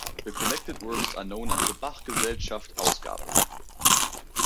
The collected works are known as the Bach-Gesellschaft-Ausgabe.